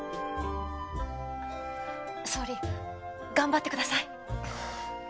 総理頑張ってください！